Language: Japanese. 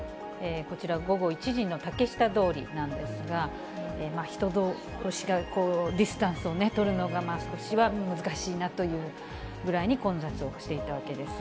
こちら午後１時の竹下通りなんですが、人どうしが、ディスタンスを取るのが少し難しいなというぐらいに混雑をしていたわけです。